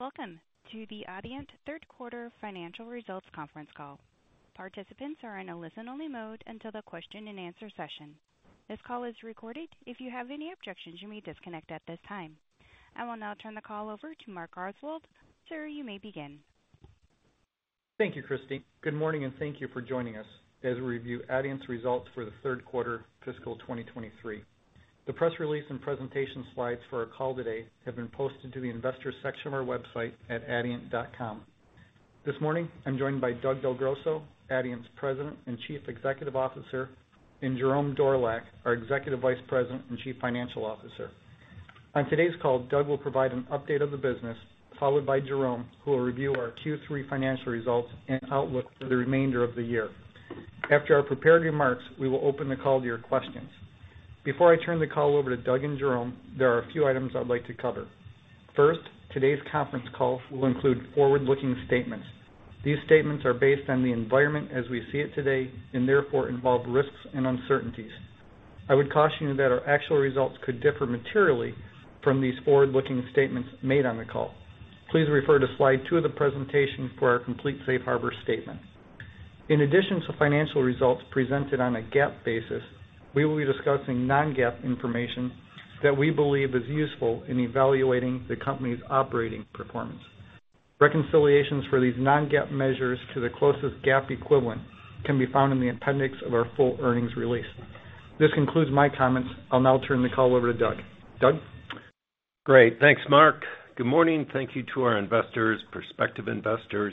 Welcome to the Adient Third Quarter Financial Results Conference Call. Participants are in a listen-only mode until the question and answer session. This call is recorded. If you have any objections, you may disconnect at this time. I will now turn the call over to Mark Oswald. Sir, you may begin. Thank you, Christine. Good morning, and thank you for joining us as we review Adient's results for the third quarter fiscal 2023. The press release and presentation slides for our call today have been posted to the Investors section of our website at adient.com. This morning, I'm joined by Doug DelGrosso, Adient's President and Chief Executive Officer, and Jerome Dorlack, our Executive Vice President and Chief Financial Officer. On today's call, Doug will provide an update of the business, followed by Jerome, who will review our Q3 financial results and outlook for the remainder of the year. After our prepared remarks, we will open the call to your questions. Before I turn the call over to Doug and Jerome, there are a few items I'd like to cover. First, today's conference call will include forward-looking statements. These statements are based on the environment as we see it today and therefore involve risks and uncertainties. I would caution you that our actual results could differ materially from these forward-looking statements made on the call. Please refer to slide two of the presentation for our complete safe harbor statement. In addition to financial results presented on a GAAP basis, we will be discussing non-GAAP information that we believe is useful in evaluating the company's operating performance. Reconciliations for these non-GAAP measures to the closest GAAP equivalent can be found in the appendix of our full earnings release. This concludes my comments. I'll now turn the call over to Doug. Doug? Great. Thanks, Mark. Good morning, thank you to our investors, prospective investors,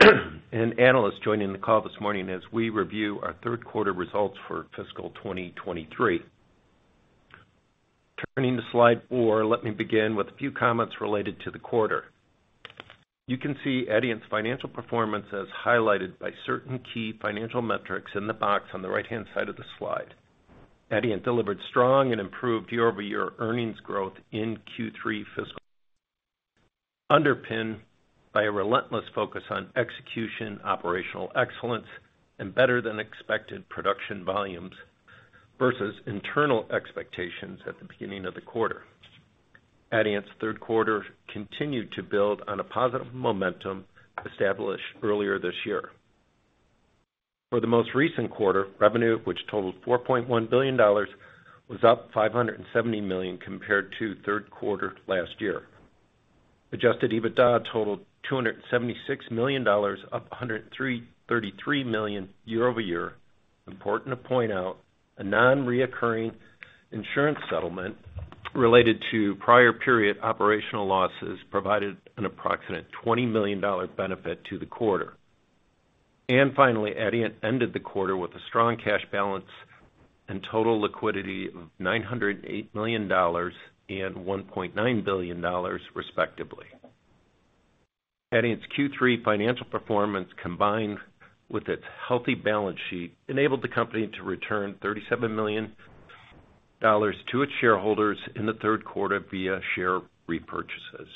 and analysts joining the call this morning as we review our third quarter results for fiscal 2023. Turning to slide four, let me begin with a few comments related to the quarter. You can see Adient's financial performance as highlighted by certain key financial metrics in the box on the right-hand side of the slide. Adient delivered strong and improved year-over-year earnings growth in Q3 fiscal, underpinned by a relentless focus on execution, operational excellence, and better-than-expected production volumes versus internal expectations at the beginning of the quarter. Adient's third quarter continued to build on a positive momentum established earlier this year. For the most recent quarter, revenue, which totaled $4.1 billion, was up $570 million compared to third quarter last year. Adjusted EBITDA totaled $276 million, up $133 million year-over-year. Important to point out, a non-recurring insurance settlement related to prior period operational losses provided an approximate $20 million benefit to the quarter. Finally, Adient ended the quarter with a strong cash balance and total liquidity of $908 million and $1.9 billion, respectively. Adient's Q3 financial performance, combined with its healthy balance sheet, enabled the company to return $37 million to its shareholders in the third quarter via share repurchases.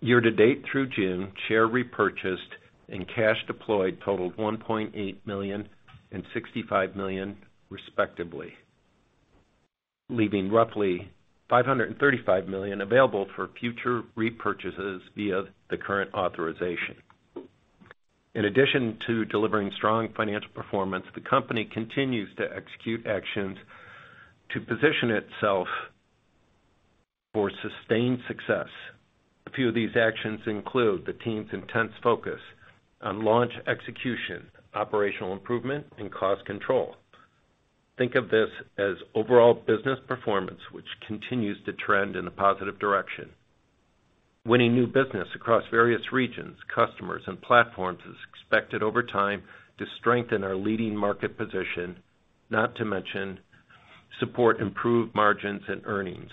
Year-to-date through June, share repurchased and cash deployed totaled $1.8 million and $65 million, respectively, leaving roughly $535 million available for future repurchases via the current authorization. In addition to delivering strong financial performance, the company continues to execute actions to position itself for sustained success. A few of these actions include the team's intense focus on launch execution, operational improvement, and cost control. Think of this as overall business performance, which continues to trend in a positive direction. Winning new business across various regions, customers, and platforms is expected over time to strengthen our leading market position, not to mention support improved margins and earnings.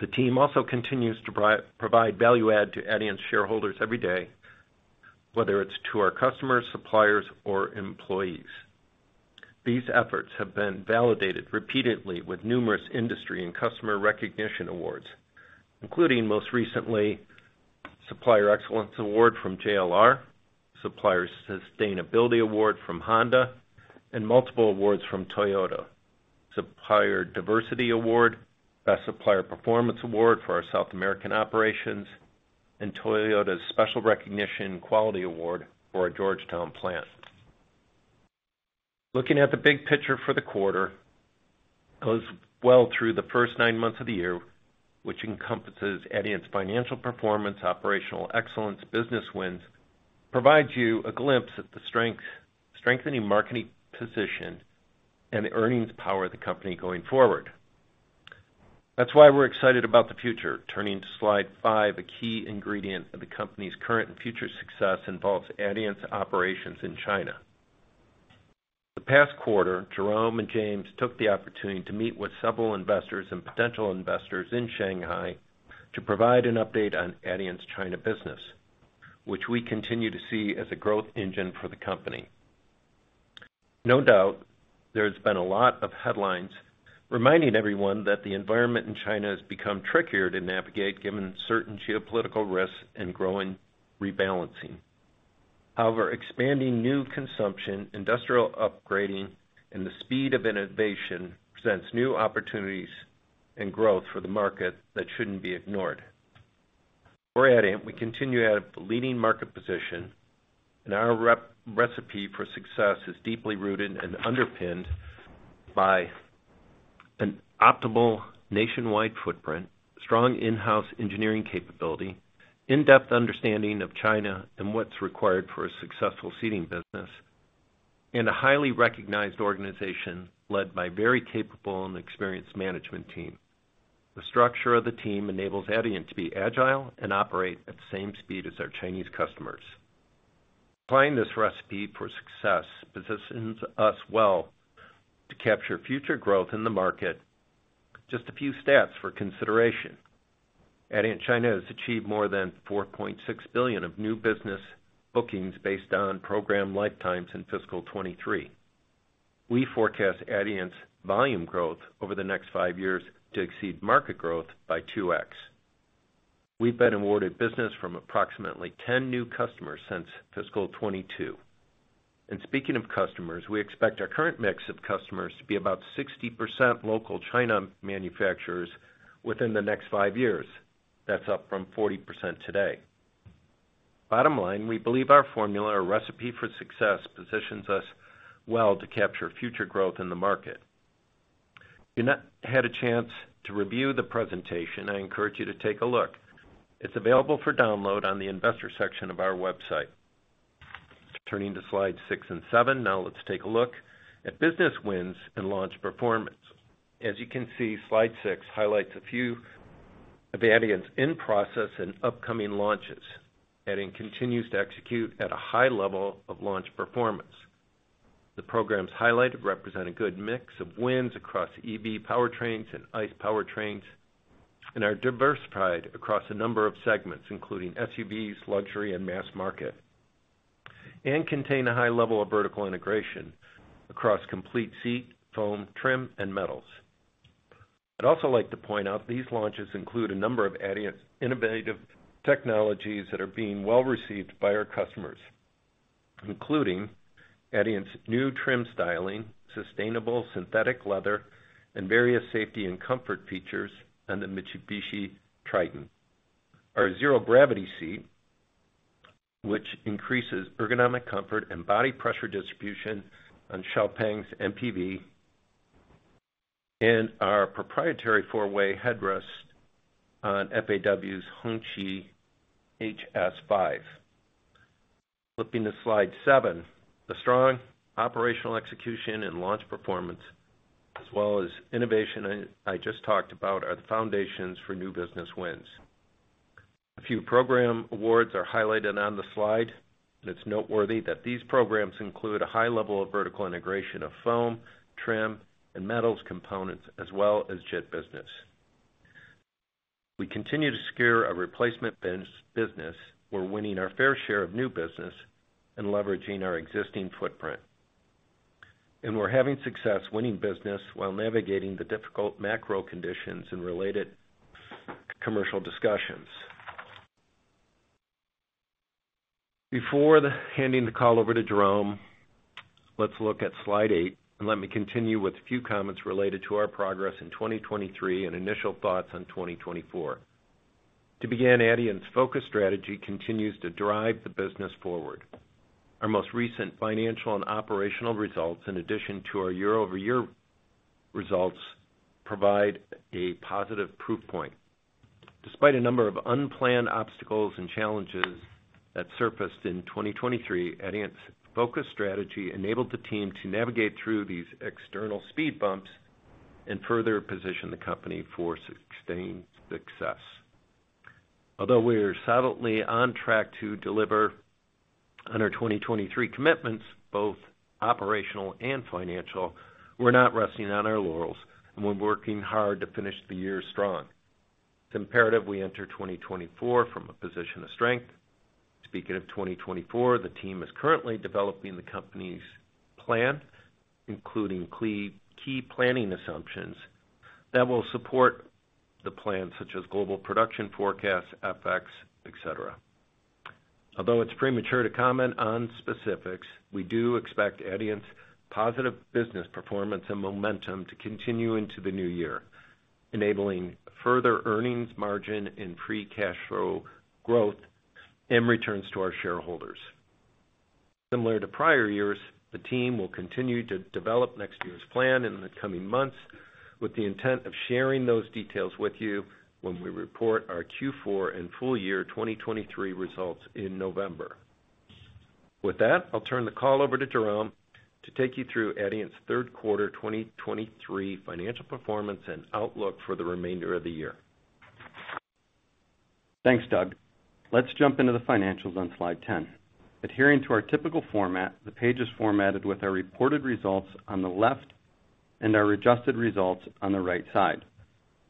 The team also continues to provide value add to Adient's shareholders every day, whether it's to our customers, suppliers, or employees. These efforts have been validated repeatedly with numerous industry and customer recognition awards, including, most recently, Supplier Excellence Award from JLR, Supplier Sustainability Award from Honda, and multiple awards from Toyota: Supplier Diversity Award, Best Supplier Performance Award for our South American operations, and Toyota's Special Recognition Quality Award for our Georgetown plant. Looking at the big picture for the quarter, goes well through the first nine months of the year, which encompasses Adient's financial performance, operational excellence, business wins, provides you a glimpse at the strengthening marketing position and the earnings power of the company going forward. That's why we're excited about the future. Turning to slide 5, a key ingredient of the company's current and future success involves Adient's operations in China. The past quarter, Jerome and James took the opportunity to meet with several investors and potential investors in Shanghai to provide an update on Adient's China business, which we continue to see as a growth engine for the company. No doubt, there's been a lot of headlines reminding everyone that the environment in China has become trickier to navigate, given certain geopolitical risks and growing rebalancing. However, expanding new consumption, industrial upgrading, and the speed of innovation presents new opportunities and growth for the market that shouldn't be ignored. For Adient, we continue to have the leading market position, and our recipe for success is deeply rooted and underpinned by an optimal nationwide footprint, strong in-house engineering capability, in-depth understanding of China and what's required for a successful seating business, and a highly recognized organization led by a very capable and experienced management team. The structure of the team enables Adient to be agile and operate at the same speed as our Chinese customers. Applying this recipe for success positions us well to capture future growth in the market. Just a few stats for consideration. Adient China has achieved more than $4.6 billion of new business bookings based on program lifetimes in fiscal 2023. We forecast Adient's volume growth over the next five years to exceed market growth by 2x. We've been awarded business from approximately 10 new customers since fiscal 2022. Speaking of customers, we expect our current mix of customers to be about 60% local China manufacturers within the next five years. That's up from 40% today. Bottom line, we believe our formula or recipe for success, positions us well to capture future growth in the market. If you've not had a chance to review the presentation, I encourage you to take a look. It's available for download on the investor section of our website. Turning to slides six and seven. Let's take a look at business wins and launch performance. As you can see, slide six highlights a few of Adient's in-process and upcoming launches. Adient continues to execute at a high level of launch performance. The programs highlighted represent a good mix of wins across EV powertrains and ICE powertrains, and are diversified across a number of segments, including SUVs, luxury, and mass market. Contain a high level of vertical integration across complete seat, foam, trim, and metals. I'd also like to point out, these launches include a number of Adient's innovative technologies that are being well-received by our customers, including Adient's new trim styling, sustainable synthetic leather, and various safety and comfort features on the Mitsubishi Triton. Our zero-gravity seat, which increases ergonomic comfort and body pressure distribution on XPeng's MPV, and our proprietary four-way headrest on FAW's Hongqi HS5. Flipping to slide seven, the strong operational execution and launch performance, as well as innovation I just talked about, are the foundations for new business wins. It's noteworthy that these programs include a high level of vertical integration of foam, trim, and metals components, as well as JIT business. We continue to secure a replacement bench business. We're winning our fair share of new business and leveraging our existing footprint. We're having success winning business while navigating the difficult macro conditions and related commercial discussions. Before handing the call over to Jerome, let's look at slide eight, and let me continue with a few comments related to our progress in 2023 and initial thoughts on 2024. To begin, Adient's focus strategy continues to drive the business forward. Our most recent financial and operational results, in addition to our year-over-year results, provide a positive proof point. Despite a number of unplanned obstacles and challenges that surfaced in 2023, Adient's focus strategy enabled the team to navigate through these external speed bumps and further position the company for sustained success. Although we're solidly on track to deliver on our 2023 commitments, both operational and financial, we're not resting on our laurels, and we're working hard to finish the year strong. It's imperative we enter 2024 from a position of strength. Speaking of 2024, the team is currently developing the company's plan, including key planning assumptions that will support the plan, such as global production forecasts, FX, et cetera. Although it's premature to comment on specifics, we do expect Adient's positive business performance and momentum to continue into the new year, enabling further earnings, margin, and free cash flow growth and returns to our shareholders. Similar to prior years, the team will continue to develop next year's plan in the coming months, with the intent of sharing those details with you when we report our Q4 and full year 2023 results in November. With that, I'll turn the call over to Jerome to take you through Adient's third quarter 2023 financial performance and outlook for the remainder of the year. Thanks, Doug. Let's jump into the financials on slide 10. Adhering to our typical format, the page is formatted with our reported results on the left and our adjusted results on the right side.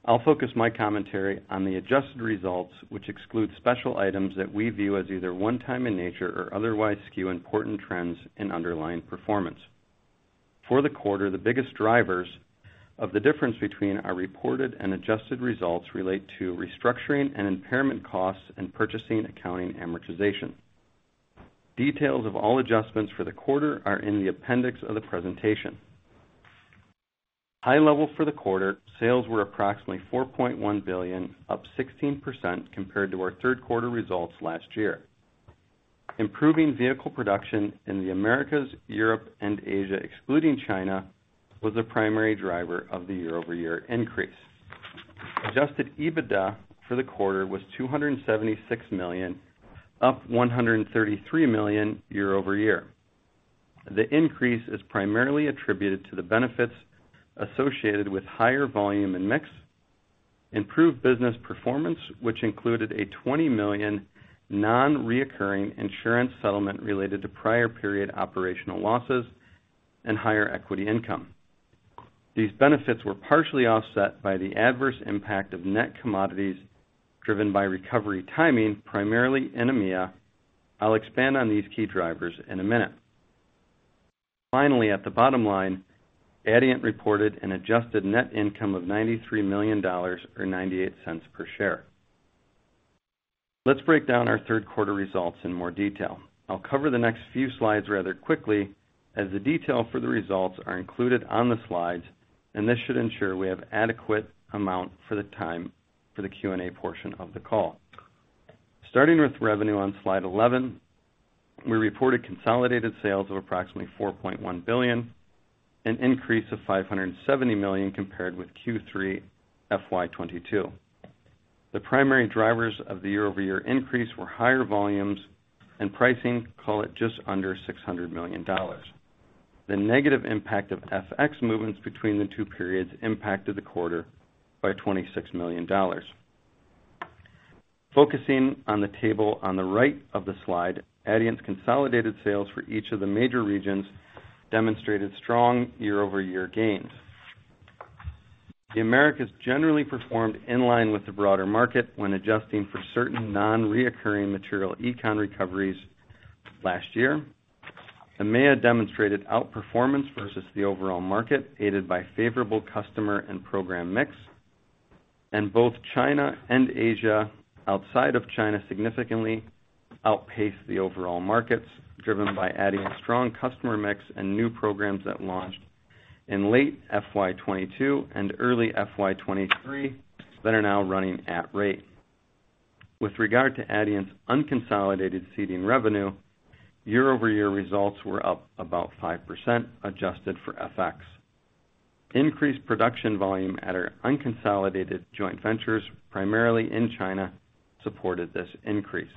I'll focus my commentary on the adjusted results, which exclude special items that we view as either one-time in nature or otherwise skew important trends and underlying performance. For the quarter, the biggest drivers of the difference between our reported and adjusted results relate to restructuring and impairment costs and purchasing accounting amortization. Details of all adjustments for the quarter are in the appendix of the presentation. High level for the quarter, sales were approximately $4.1 billion, up 16% compared to our third quarter results last year. Improving vehicle production in the Americas, Europe, and Asia, excluding China, was the primary driver of the year-over-year increase. Adjusted EBITDA for the quarter was $276 million, up $133 million year-over-year. The increase is primarily attributed to the benefits associated with higher volume and mix, improved business performance, which included a $20 million non-reoccurring insurance settlement related to prior period operational losses and higher equity income. These benefits were partially offset by the adverse impact of net commodities driven by recovery timing, primarily in EMEA. I'll expand on these key drivers in a minute. Finally, at the bottom line, Adient reported an adjusted net income of $93 million or $0.98 per share. Let's break down our third quarter results in more detail. I'll cover the next few slides rather quickly, as the detail for the results are included on the slides, and this should ensure we have adequate amount for the time for the Q&A portion of the call. Starting with revenue on Slide 11, we reported consolidated sales of approximately $4.1 billion, an increase of $570 million compared with Q3 FY 2022. The primary drivers of the year-over-year increase were higher volumes and pricing, call it just under $600 million. The negative impact of FX movements between the two periods impacted the quarter by $26 million. Focusing on the table on the right of the slide, Adient's consolidated sales for each of the major regions demonstrated strong year-over-year gains. The Americas generally performed in line with the broader market when adjusting for certain non-recurring material econ recoveries last year. EMEA demonstrated outperformance versus the overall market, aided by favorable customer and program mix, and both China and Asia, outside of China, significantly outpaced the overall markets, driven by Adient's strong customer mix and new programs that launched in late FY 2022 and early FY 2023 that are now running at rate. With regard to Adient's unconsolidated seating revenue, year-over-year results were up about 5%, adjusted for FX. Increased production volume at our unconsolidated joint ventures, primarily in China, supported this increase.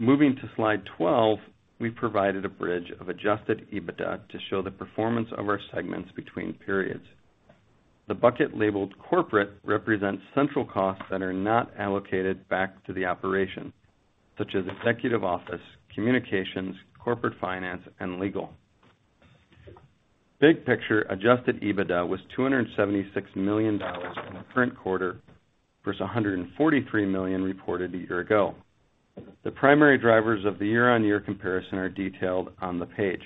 Moving to Slide 12, we provided a bridge of Adjusted EBITDA to show the performance of our segments between periods. The bucket labeled corporate represents central costs that are not allocated back to the operation, such as executive office, communications, corporate finance, and legal. Big picture, Adjusted EBITDA was $276 million in the current quarter versus $143 million reported a year ago. The primary drivers of the year-on-year comparison are detailed on the page.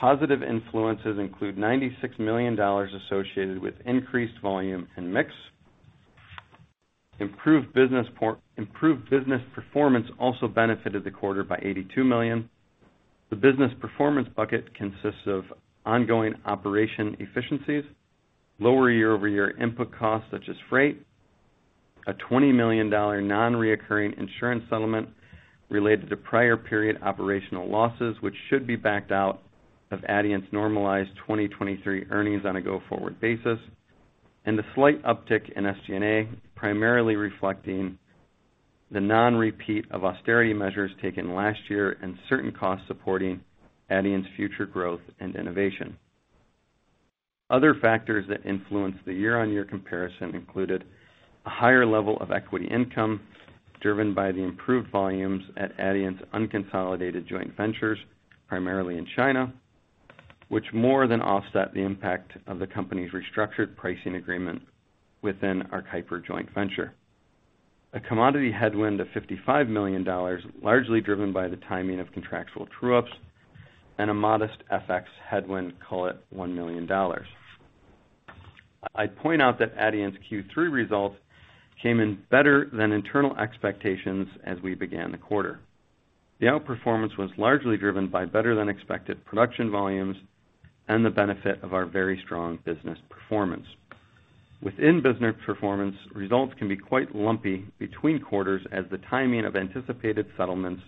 Positive influences include $96 million associated with increased volume and mix. Improved business performance also benefited the quarter by $82 million. The business performance bucket consists of ongoing operation efficiencies, lower year-over-year input costs, such as freight, a $20 million non-recurring insurance settlement related to prior period operational losses, which should be backed out of Adient's normalized 2023 earnings on a go-forward basis, and a slight uptick in SG&A, primarily reflecting the non-repeat of austerity measures taken last year and certain costs supporting Adient's future growth and innovation. Other factors that influenced the year-on-year comparison included a higher level of equity income, driven by the improved volumes at Adient's unconsolidated joint ventures, primarily in China, which more than offset the impact of the company's restructured pricing agreement within our KEIPER joint venture. A commodity headwind of $55 million, largely driven by the timing of contractual true-ups and a modest FX headwind, call it $1 million. I'd point out that Adient's Q3 results came in better than internal expectations as we began the quarter. The outperformance was largely driven by better than expected production volumes and the benefit of our very strong business performance. Within business performance, results can be quite lumpy between quarters as the timing of anticipated settlements,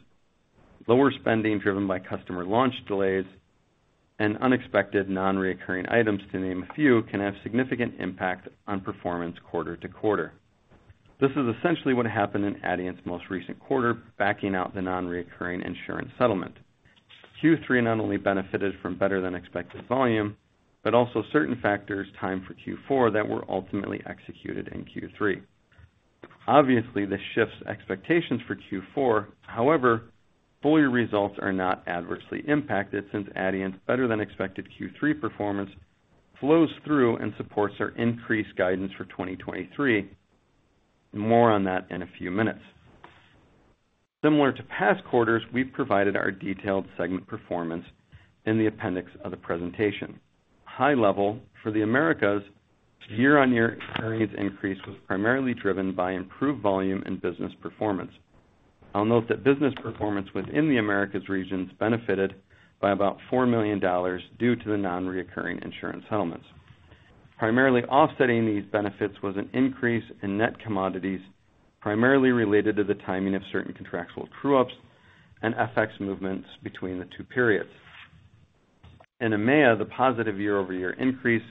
lower spending driven by customer launch delays, and unexpected non-reoccurring items, to name a few, can have significant impact on performance quarter to quarter. This is essentially what happened in Adient's most recent quarter, backing out the non-recurring insurance settlement. Q3 not only benefited from better than expected volume, but also certain factors timed for Q4 that were ultimately executed in Q3. Obviously, this shifts expectations for Q4. Full year results are not adversely impacted since Adient's better-than-expected Q3 performance flows through and supports our increased guidance for 2023. More on that in a few minutes. Similar to past quarters, we've provided our detailed segment performance in the appendix of the presentation. High level, for the Americas, year-on-year earnings increase was primarily driven by improved volume and business performance. I'll note that business performance within the Americas regions benefited by about $4 million due to the non-recurring insurance settlements. Primarily offsetting these benefits was an increase in net commodities, primarily related to the timing of certain contractual true-ups and FX movements between the two periods. In EMEA, the positive year-over-year increase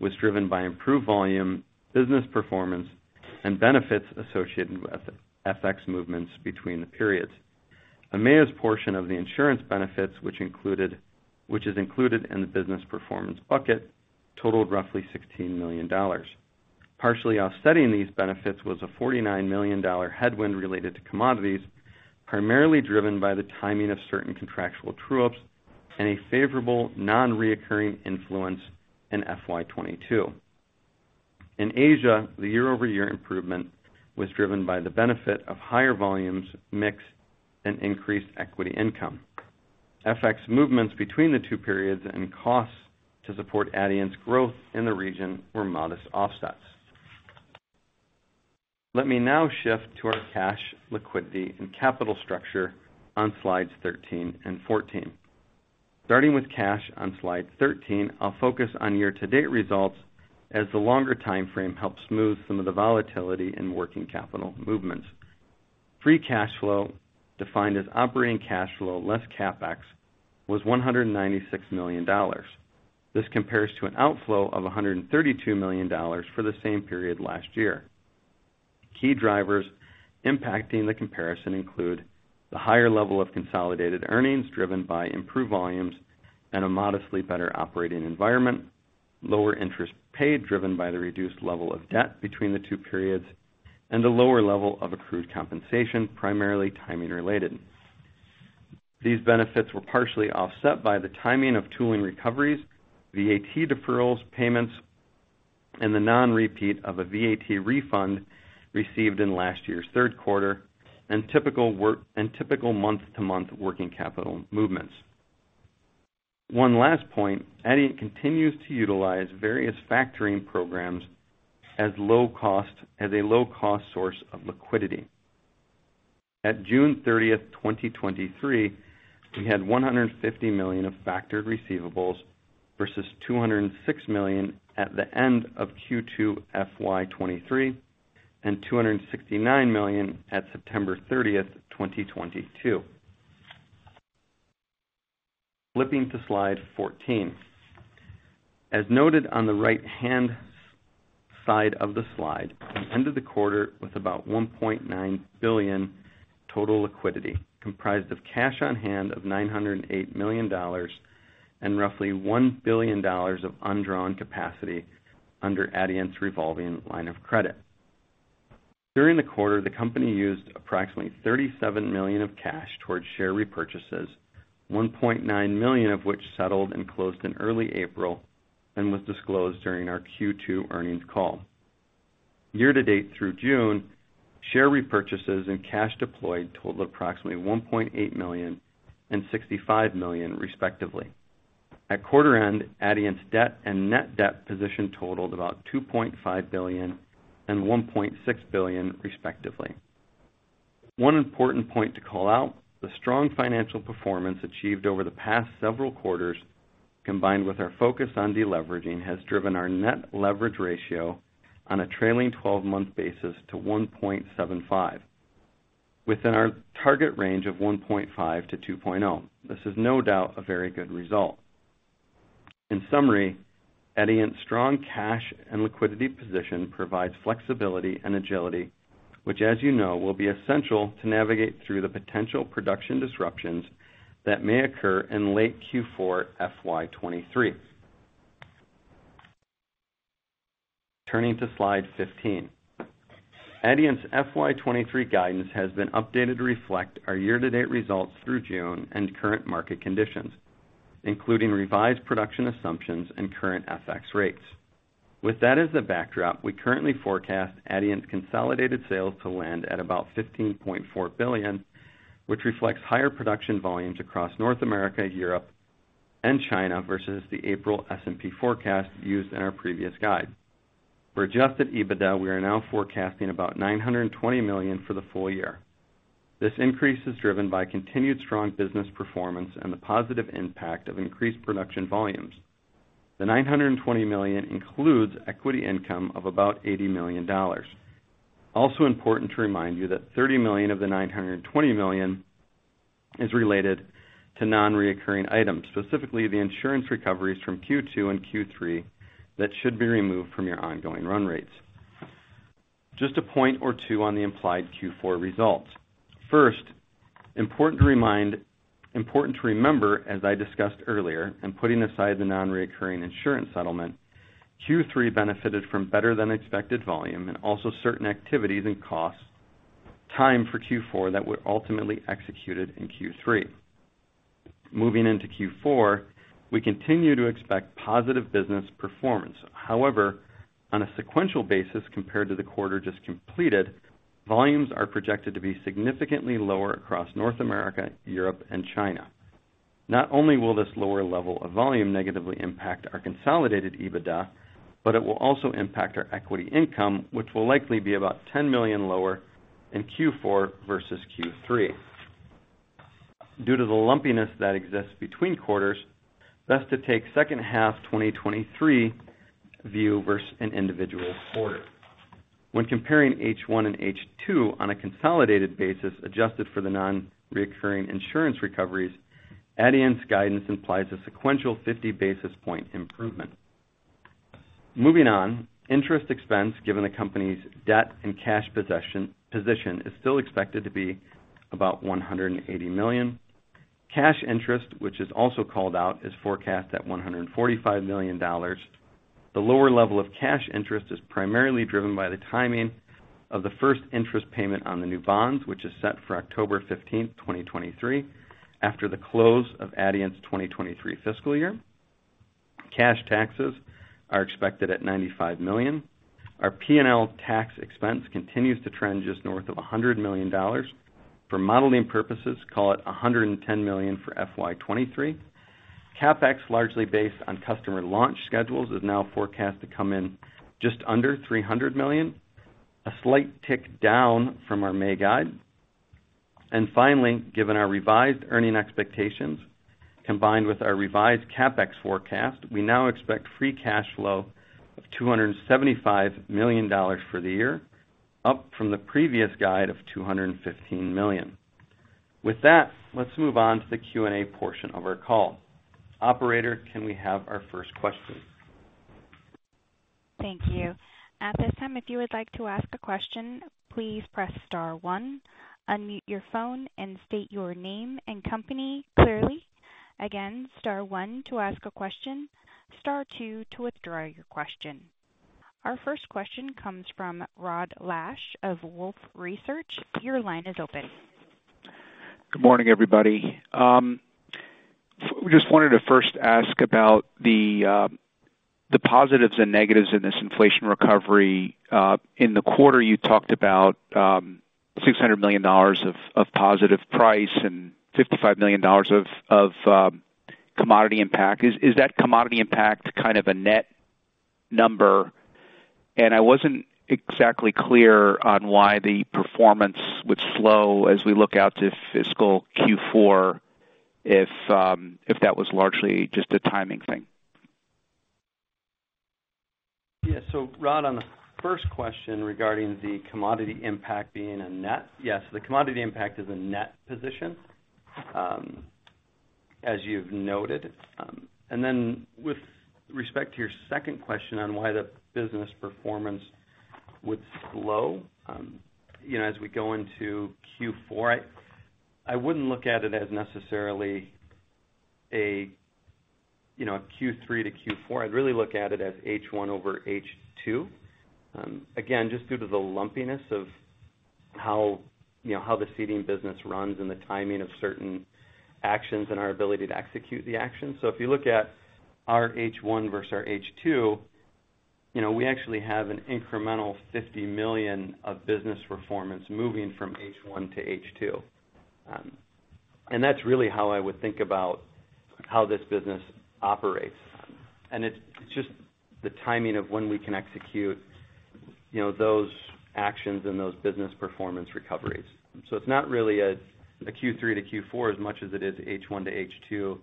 was driven by improved volume, business performance, and benefits associated with FX movements between the periods. EMEA's portion of the insurance benefits, which is included in the business performance bucket, totaled roughly $16 million. Partially offsetting these benefits was a $49 million headwind related to commodities, primarily driven by the timing of certain contractual true-ups and a favorable non-reoccurring influence in FY 2022. In Asia, the year-over-year improvement was driven by the benefit of higher volumes, mix, and increased equity income. FX movements between the two periods and costs to support Adient's growth in the region were modest offsets. Let me now shift to our cash, liquidity, and capital structure on slides 13 and 14. Starting with cash on slide 13, I'll focus on year-to-date results as the longer timeframe helps smooth some of the volatility in working capital movements. Free cash flow, defined as operating cash flow less CapEx, was $196 million. This compares to an outflow of $132 million for the same period last year. Key drivers impacting the comparison include: the higher level of consolidated earnings, driven by improved volumes and a modestly better operating environment, lower interest paid, driven by the reduced level of debt between the two periods, and the lower level of accrued compensation, primarily timing-related. These benefits were partially offset by the timing of tooling recoveries, VAT deferrals, payments, and the non-repeat of a VAT refund received in last year's third quarter, and typical work- and typical month-to-month working capital movements. One last point, Adient continues to utilize various factoring programs as a low-cost source of liquidity. At June 30th, 2023, we had $150 million of factored receivables versus $206 million at the end of Q2 FY 2023, and $269 million at September 30th, 2022. Flipping to slide 14. As noted on the right-hand side of the slide, we ended the quarter with about $1.9 billion total liquidity, comprised of cash on hand of $908 million, and roughly $1 billion of undrawn capacity under Adient's revolving line of credit. During the quarter, the company used approximately $37 million of cash towards share repurchases, $1.9 million of which settled and closed in early April and was disclosed during our Q2 earnings call. Year to date through June, share repurchases and cash deployed totaled approximately $1.8 million and $65 million, respectively. At quarter end, Adient's debt and net debt position totaled about $2.5 billion and $1.6 billion, respectively. One important point to call out, the strong financial performance achieved over the past several quarters, combined with our focus on deleveraging, has driven our net leverage ratio on a trailing twelve-month basis to 1.75, within our target range of 1.5-2.0. This is no doubt a very good result. In summary, Adient's strong cash and liquidity position provides flexibility and agility, which, as you know, will be essential to navigate through the potential production disruptions that may occur in late Q4 FY 2023. Turning to slide 15. Adient's FY 2023 guidance has been updated to reflect our year-to-date results through June and current market conditions, including revised production assumptions and current FX rates. With that as the backdrop, we currently forecast Adient's consolidated sales to land at about $15.4 billion, which reflects higher production volumes across North America, Europe, and China versus the April S&P forecast used in our previous guide. For Adjusted EBITDA, we are now forecasting about $920 million for the full year. This increase is driven by continued strong business performance and the positive impact of increased production volumes. The $920 million includes equity income of about $80 million. Also important to remind you that $30 million of the $920 million is related to non-recurring items, specifically the insurance recoveries from Q2 and Q3, that should be removed from your ongoing run rates. Just a point or two on the implied Q4 results. First, important to remember, as I discussed earlier, and putting aside the non-recurring insurance settlement, Q3 benefited from better-than-expected expected volume and also certain activities and costs timed for Q4 that were ultimately executed in Q3. Moving into Q4, we continue to expect positive business performance. However, on a sequential basis compared to the quarter just completed, volumes are projected to be significantly lower across North America, Europe and China. Not only will this lower level of volume negatively impact our consolidated EBITDA, it will also impact our equity income, which will likely be about $10 million lower in Q4 versus Q3. Due to the lumpiness that exists between quarters, best to take second half 2023 view versus an individual quarter. When comparing H1 and H2 on a consolidated basis, adjusted for the non-recurring insurance recoveries, Adient's guidance implies a sequential 50 basis point improvement. Moving on, interest expense, given the company's debt and cash position, is still expected to be about $180 million. Cash interest, which is also called out, is forecast at $145 million. The lower level of cash interest is primarily driven by the timing of the first interest payment on the new bonds, which is set for 15th October 2023, after the close of Adient's 2023 fiscal year. Cash taxes are expected at $95 million. Our P&L tax expense continues to trend just north of $100 million. For modeling purposes, call it $110 million for FY 2023. CapEx, largely based on customer launch schedules, is now forecast to come in just under $300 million, a slight tick down from our May guide. Finally, given our revised earning expectations, combined with our revised CapEx forecast, we now expect free cash flow of $275 million for the year, up from the previous guide of $215 million. With that, let's move on to the Q&A portion of our call. Operator, can we have our first question? Thank you. At this time, if you would like to ask a question, please press star one, unmute your phone and state your name and company clearly. Again, star one to ask a question, star two to withdraw your question. Our first question comes from Rod Lache of Wolfe Research. Your line is open. Good morning, everybody. just wanted to first ask about the positives and negatives in this inflation recovery. in the quarter, you talked about $600 million of positive price and $55 million of commodity impact. Is that commodity impact kind of a net number? And I wasn't exactly clear on why the performance would slow as we look out to fiscal Q4, if that was largely just a timing thing. Yeah. Rod, on the first question regarding the commodity impact being a net, yes, the commodity impact is a net position, as you've noted. With respect to your second question on why the business performance would slow, you know, as we go into Q4, I, I wouldn't look at it as necessarily a, you know, a Q3-Q4. I'd really look at it as H1 over H2. Again, just due to the lumpiness of how, you know, how the seating business runs and the timing of certain actions and our ability to execute the actions. If you look at our H1 versus our H2, you know, we actually have an incremental $50 million of business performance moving from H1 -H2. That's really how I would think about how this business operates. It's, it's just the timing of when we can execute, you know, those actions and those business performance recoveries. It's not really a, a Q3-Q4 as much as it is H1-H2,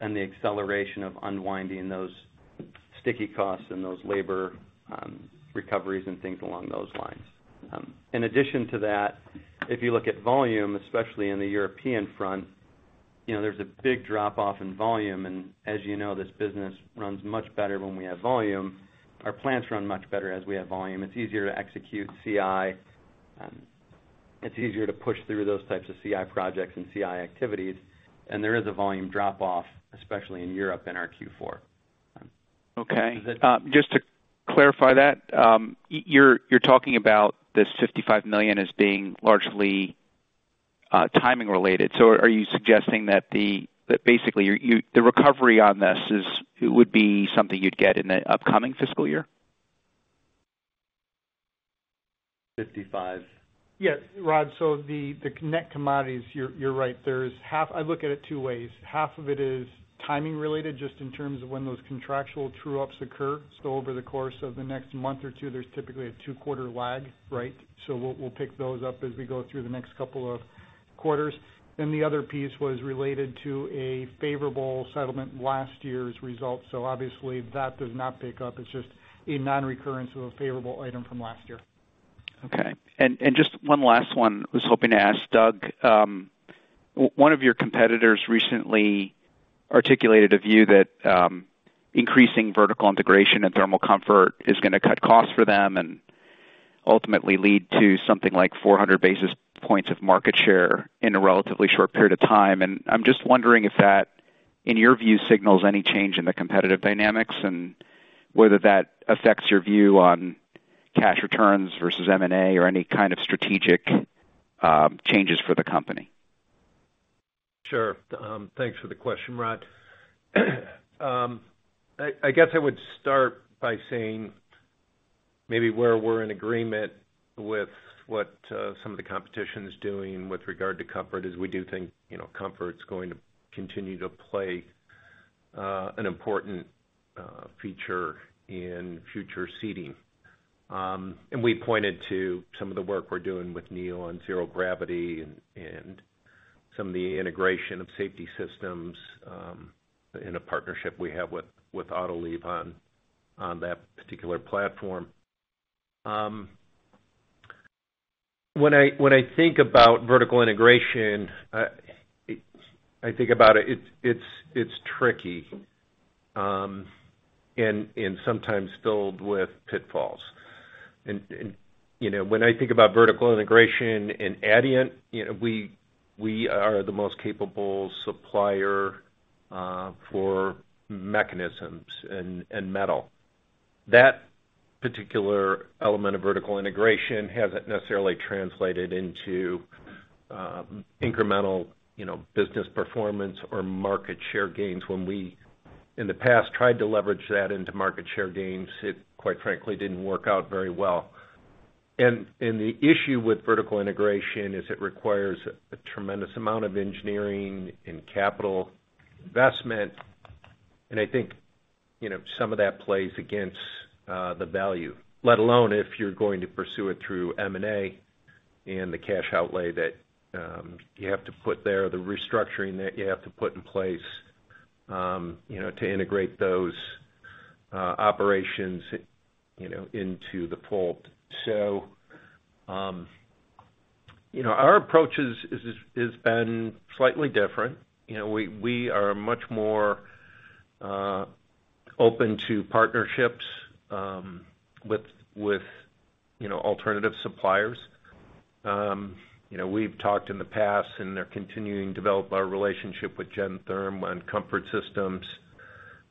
and the acceleration of unwinding those sticky costs and those labor recoveries and things along those lines. In addition to that, if you look at volume, especially in the European front, you know, there's a big drop-off in volume. As you know, this business runs much better when we have volume. Our plants run much better as we have volume. It's easier to execute CI, it's easier to push through those types of CI projects and CI activities. There is a volume drop-off, especially in Europe, in our Q4. Okay. Just to clarify that, you're talking about this $55 million as being largely timing related. Are you suggesting that basically, the recovery on this would be something you'd get in the upcoming fiscal year? Fifty-five? Yes, Rod. The net commodities, you're right, there is half... I look at it two ways. Half of it is timing related, just in terms of when those contractual true-ups occur. Over the course of the next month or two, there's typically a two-quarter lag, right? We'll pick those up as we go through the next couple of quarters. The other piece was related to a favorable settlement last year's results. Obviously that does not pick up. It's just a nonrecurrence of a favorable item from last year. Okay. Just one last one I was hoping to ask, Doug. One of your competitors recently articulated a view that increasing vertical integration and thermal comfort is gonna cut costs for them and ultimately lead to something like 400 basis points of market share in a relatively short period of time. I'm just wondering if that, in your view, signals any change in the competitive dynamics and whether that affects your view on cash returns versus M&A or any kind of strategic changes for the company? Sure. Thanks for the question, Rod. I guess I would start by saying maybe where we're in agreement with what some of the competition is doing with regard to comfort, is we do think, you know, comfort's going to continue to play an important feature in future seating. We pointed to some of the work we're doing with NIO on zero gravity and, and some of the integration of safety systems in a partnership we have with, with Autoliv on, on that particular platform. When I, when I think about vertical integration, I think about it, it's, it's, it's tricky, and, and sometimes filled with pitfalls. And, you know, when I think about vertical integration and Adient, you know, we, we are the most capable supplier for mechanisms and, and metal. That particular element of vertical integration hasn't necessarily translated into incremental, you know, business performance or market share gains. When we, in the past, tried to leverage that into market share gains, it, quite frankly, didn't work out very well. The issue with vertical integration is it requires a tremendous amount of engineering and capital investment. I think, you know, some of that plays against the value, let alone if you're going to pursue it through M&A and the cash outlay that you have to put there, the restructuring that you have to put in place, you know, to integrate those operations, you know, into the fold. Our approach is, is, has been slightly different. You know, we, we are much more open to partnerships with, with, you know, alternative suppliers. You know, we've talked in the past, and they're continuing to develop our relationship with Gentherm on comfort systems.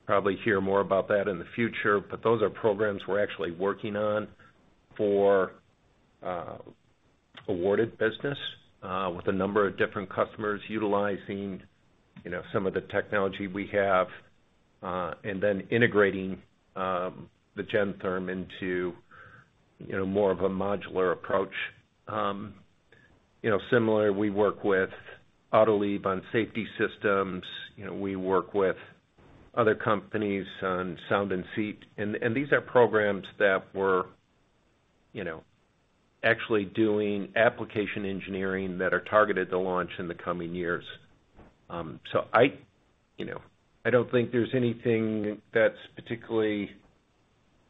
Probably hear more about that in the future, but those are programs we're actually working on for awarded business with a number of different customers utilizing, you know, some of the technology we have, and then integrating the Gentherm into, you know, more of a modular approach. You know, similarly, we work with Autoliv on safety systems. You know, we work with other companies on sound and seat, and, and these are programs that we're, you know, actually doing application engineering that are targeted to launch in the coming years. I, you know, I don't think there's anything that's particularly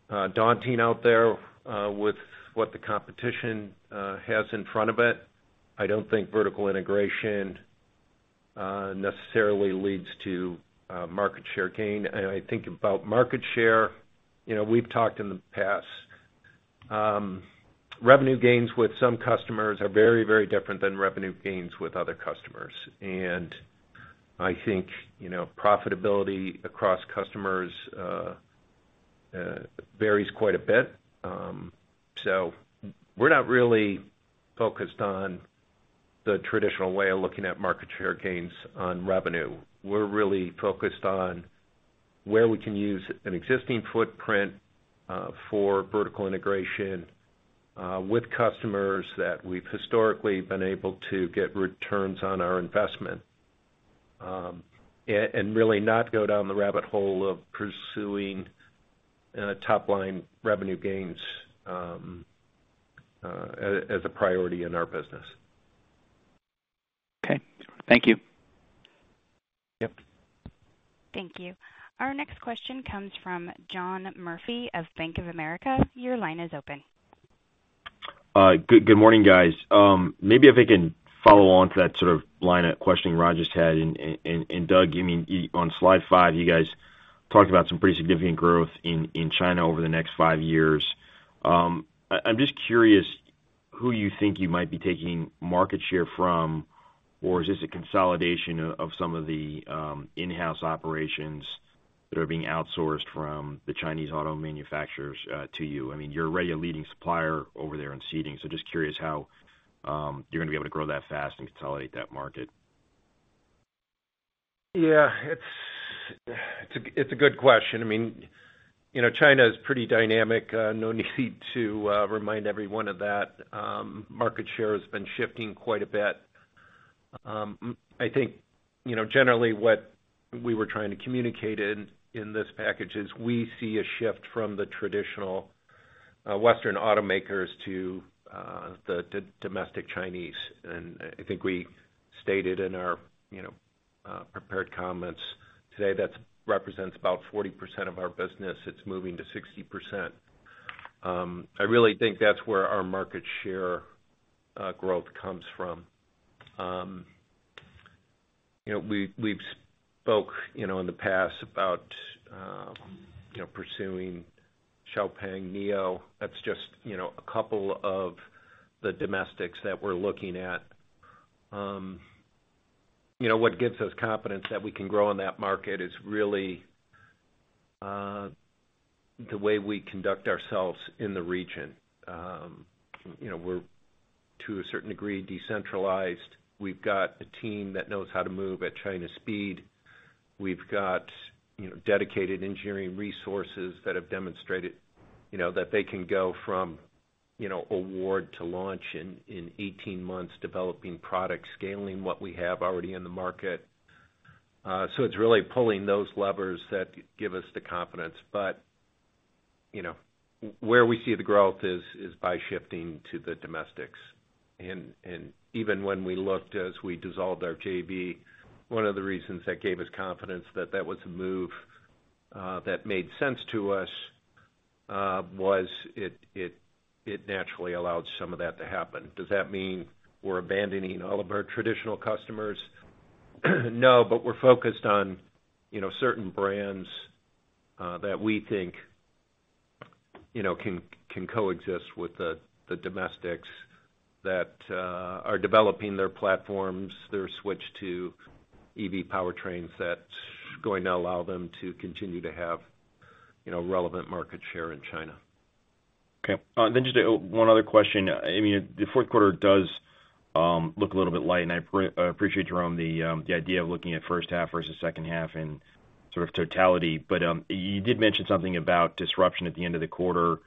daunting out there with what the competition has in front of it. I don't think vertical integration, necessarily leads to, market share gain. I think about market share, you know, we've talked in the past, revenue gains with some customers are very, very different than revenue gains with other customers. I think, you know, profitability across customers, varies quite a bit. So we're not really focused on the traditional way of looking at market share gains on revenue. We're really focused on where we can use an existing footprint, for vertical integration, with customers that we've historically been able to get returns on our investment. And really not go down the rabbit hole of pursuing, top-line revenue gains, as, as a priority in our business. Okay. Thank you. Yep. Thank you. Our next question comes from John Murphy of Bank of America. Your line is open. Good, good morning, guys. Maybe if I can follow on to that sort of line of questioning Rod just had. Doug, you mean, on Slide five, you guys talked about some pretty significant growth in China over the next five years. I'm just curious, who you think you might be taking market share from, or is this a consolidation of some of the in-house operations that are being outsourced from the Chinese auto manufacturers to you? I mean, you're already a leading supplier over there in seating, so just curious how you're gonna be able to grow that fast and consolidate that market. Yeah, it's, it's a, it's a good question. I mean, you know, China is pretty dynamic. no need to remind everyone of that. market share has been shifting quite a bit. I think, you know, generally what we were trying to communicate in this package is we see a shift from the traditional Western automakers to the domestic Chinese. I think we stated in our, you know, prepared comments today, that represents about 40% of our business. It's moving to 60%. I really think that's where our market share growth comes from. you know, we've, we've spoke, you know, in the past about, you know, pursuing XPeng, NIO. That's just, you know, a couple of the domestics that we're looking at. You know, what gives us confidence that we can grow in that market is really, the way we conduct ourselves in the region. You know, we're, to a certain degree, decentralized. We've got a team that knows how to move at China speed. We've got, you know, dedicated engineering resources that have demonstrated, you know, that they can go from, you know, award to launch in, in 18 months, developing products, scaling what we have already in the market. It's really pulling those levers that give us the confidence. You know, where we see the growth is, is by shifting to the domestics. Even when we looked as we dissolved our JV, one of the reasons that gave us confidence that that was a move, that made sense to us, was it, it, it naturally allowed some of that to happen. Does that mean we're abandoning all of our traditional customers? No, but we're focused on, you know, certain brands, that we think, you know, can, can coexist with the, the domestics that, are developing their platforms, their switch to EV powertrains, that's going to allow them to continue to have, you know, relevant market share in China. Okay. I mean, the fourth quarter does look a little bit light, and I appreciate, Jerome, the idea of looking at first half versus second half in sort of totality. You did mention something about disruption at the end of the quarter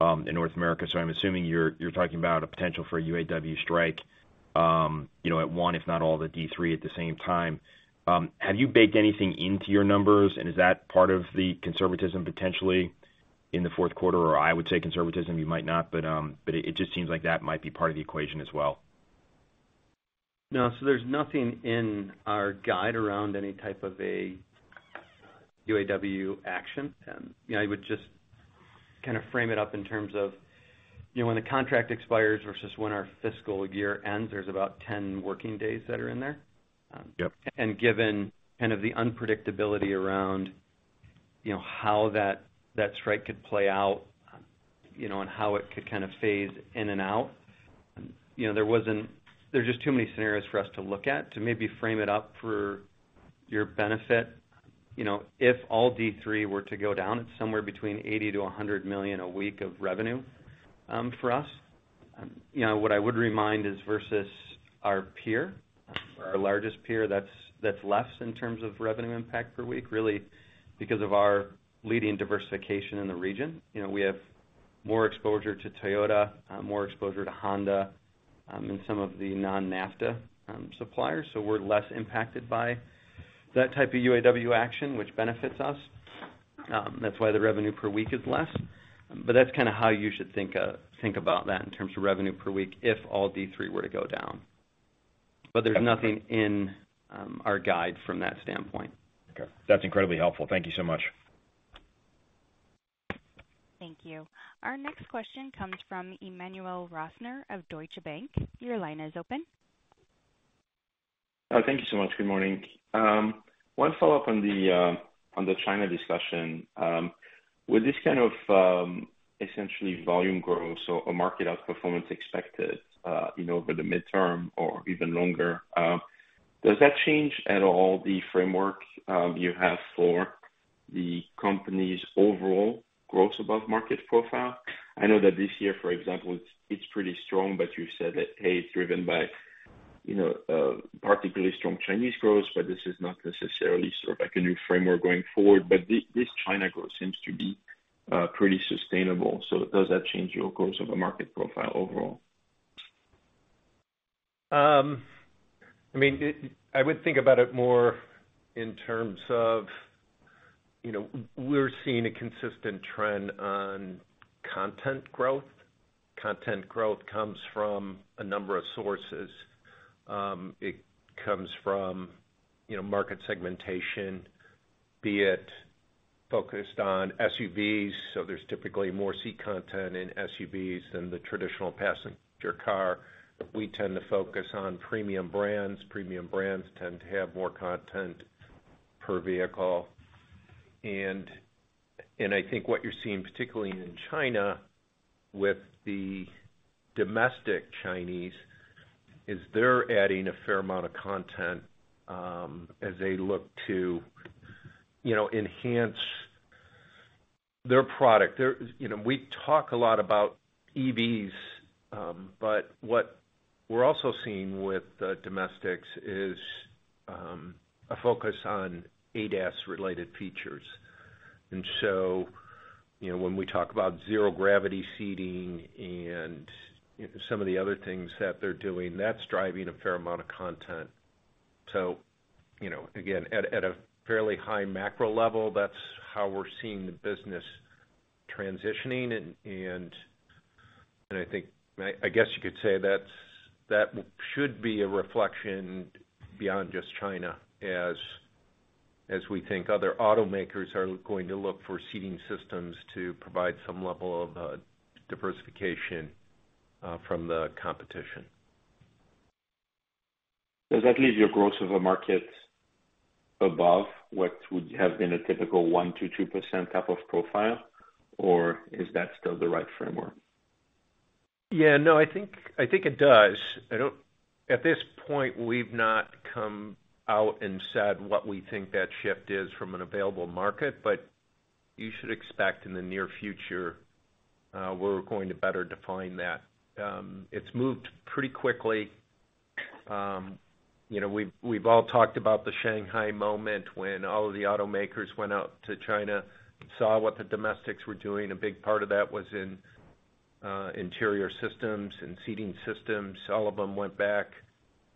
in North America. I'm assuming you're, you're talking about a potential for a UAW strike, you know, at 1, if not all, the D3 at the same time. Have you baked anything into your numbers, and is that part of the conservatism potentially in the fourth quarter? I would say conservatism, you might not, but it, it just seems like that might be part of the equation as well. No, there's nothing in our guide around any type of a UAW action. Yeah, I would just kind of frame it up in terms of, you know, when the contract expires versus when our fiscal year ends, there's about 10 working days that are in there. Yep. Given kind of the unpredictability around, you know, how that, that strike could play out, you know, and how it could kind of phase in and out, you know, there wasn't. There are just too many scenarios for us to look at. To maybe frame it up for your benefit, you know, if all D3 were to go down, it's somewhere between $80 million-$100 million a week of revenue for us. You know, what I would remind is versus our peer, our largest peer, that's, that's less in terms of revenue impact per week, really, because of our leading diversification in the region. You know, we have more exposure to Toyota, more exposure to Honda, and some of the non-NAFTA suppliers. So we're less impacted by that type of UAW action, which benefits us. That's why the revenue per week is less. That's kind of how you should think, think about that in terms of revenue per week, if all D3 were to go down. There's nothing in, our guide from that standpoint. Okay. That's incredibly helpful. Thank you so much. Thank you. Our next question comes from Emmanuel Rosner of Deutsche Bank. Your line is open. Thank you so much. Good morning. One follow-up on the on the China discussion. Would this kind of essentially volume growth, so a market outperformance expected, you know, over the midterm or even longer, does that change at all the framework you have for the company's overall growth above market profile? I know that this year, for example, it's, it's pretty strong, but you've said that, hey, it's driven by, you know, a particularly strong Chinese growth, but this is not necessarily sort of like a new framework going forward. This China growth seems to be pretty sustainable. Does that change your course of the market profile overall? I mean, I would think about it more in terms of, you know, we're seeing a consistent trend on content growth. Content growth comes from a number of sources. It comes from, you know, market segmentation, be it focused on SUVs, so there's typically more seat content in SUVs than the traditional passenger car. We tend to focus on premium brands. Premium brands tend to have more content per vehicle. I think what you're seeing, particularly in China with the domestic Chinese, is they're adding a fair amount of content, as they look to, you know, enhance their product. You know, we talk a lot about EVs, but what we're also seeing with the domestics is a focus on ADAS-related features. You know, when we talk about zero-gravity seating and some of the other things that they're doing, that's driving a fair amount of content. You know, again, at, at a fairly high macro level, that's how we're seeing the business transitioning. I think, I, I guess you could say that's, that should be a reflection beyond just China as, as we think other automakers are going to look for seating systems to provide some level of diversification from the competition. Does that leave your growth of the market above what would have been a typical 1%-2% type of profile, or is that still the right framework? Yeah, no, I think, I think it does. I don't at this point, we've not come out and said what we think that shift is from an available market, but you should expect in the near future, we're going to better define that. It's moved pretty quickly. You know, we've, we've all talked about the Shanghai moment when all of the automakers went out to China and saw what the domestics were doing. A big part of that was in interior systems and seating systems. All of them went back,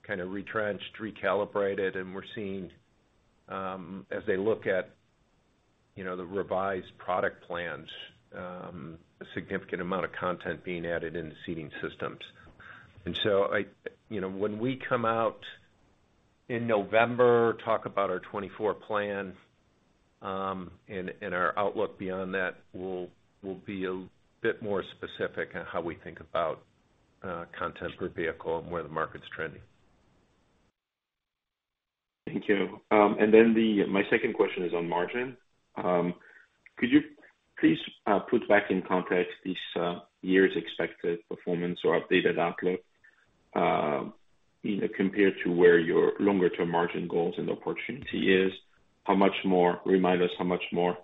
kind of retrenched, recalibrated, and we're seeing, as they look at, you know, the revised product plans, a significant amount of content being added in the seating systems. I you know, when we come out in November, talk about our 2024 plan, and our outlook beyond that, we'll be a bit more specific on how we think about content per vehicle and where the market's trending. Thank you. Then the, my second question is on margin. Could you please put back in context this year's expected performance or updated outlook, you know, compared to where your longer-term margin goals and opportunity is? Remind us how much more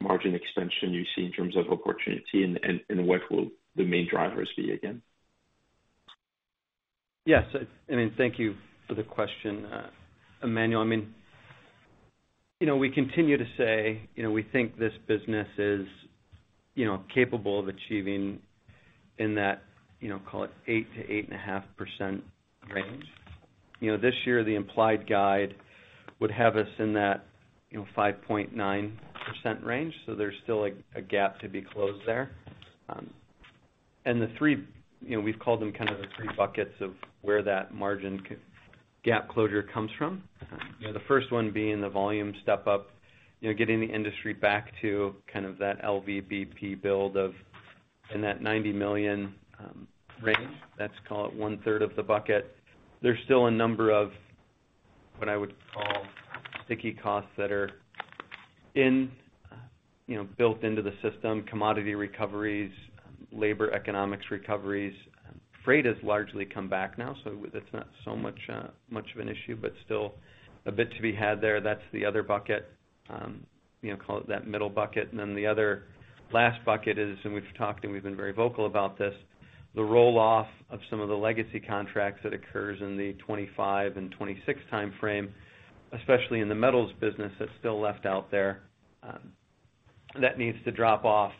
margin expansion you see in terms of opportunity, and what will the main drivers be again? Yes, I, I mean, thank you for the question, Emmanuel. I mean, you know, we continue to say, you know, we think this business is, you know, capable of achieving in that, you know, call it 8%-8.5% range. You know, this year, the implied guide would have us in that, you know, 5.9% range, so there's still a, a gap to be closed there. The three, you know, we've called them kind of the three buckets of where that margin gap closure comes from. You know, the first one being the volume step up, you know, getting the industry back to kind of that LVP build of, in that 90 million range, that's, call it one-third of the bucket. There's still a number of what I would call sticky costs that are in, you know, built into the system, commodity recoveries, labor, economic recoveries. Freight has largely come back now, so it's not so much much of an issue, but still a bit to be had there. That's the other bucket. You know, call it that middle bucket. The other last bucket is, and we've talked, and we've been very vocal about this, the roll-off of some of the legacy contracts that occurs in the 2025 and 2026 timeframe, especially in the metals business, that's still left out there, that needs to drop off.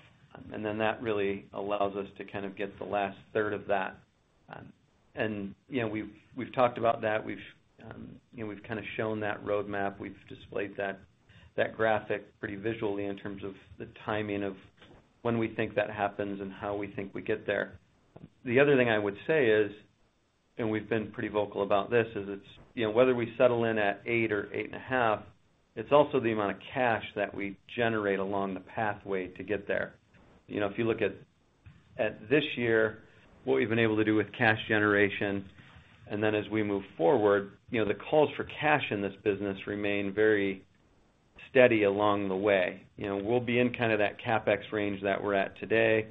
That really allows us to kind of get the last third of that. You know, we've, we've talked about that. We've, you know, we've kind of shown that roadmap. We've displayed that, that graphic pretty visually in terms of the timing of when we think that happens and how we think we get there. The other thing I would say is, and we've been pretty vocal about this, is it's, you know, whether we settle in at 8 or 8.5, it's also the amount of cash that we generate along the pathway to get there. You know, if you look at, at this year, what we've been able to do with cash generation, and then as we move forward, you know, the calls for cash in this business remain very steady along the way. You know, we'll be in kind of that CapEx range that we're at today,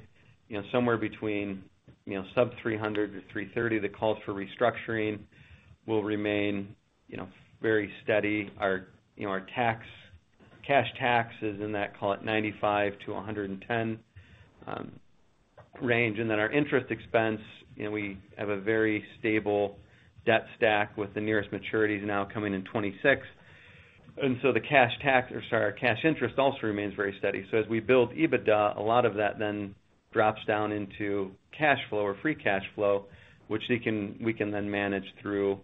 you know, somewhere between, you know, sub $300-$330. The calls for restructuring will remain, you know, very steady. Our, you know, our tax, cash taxes in that, call it $95-$110 range. Then our interest expense, you know, we have a very stable debt stack with the nearest maturities now coming in 2026. So the cash tax, or sorry, our cash interest also remains very steady. As we build EBITDA, a lot of that then drops down into cash flow or free cash flow, which we can, we can then manage through,